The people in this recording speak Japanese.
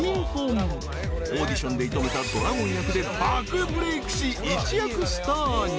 ［オーディションで射止めたドラゴン役で爆ブレークし一躍スターに］